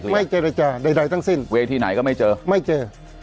ไมคือวีทีไหนก็ไม่เจอ